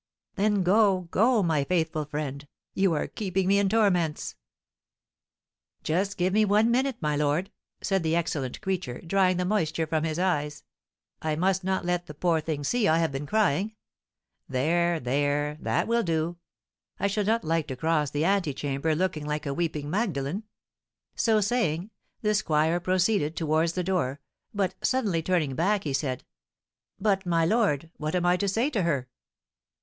"Then go go my faithful friend; you are keeping me in torments." "Just give me one minute, my lord," said the excellent creature, drying the moisture from his eyes; "I must not let the poor thing see I have been crying. There, there that will do! I should not like to cross the antechamber looking like a weeping Magdalen." So saying, the squire proceeded towards the door, but suddenly turning back, he said, "But, my lord, what am I to say to her?"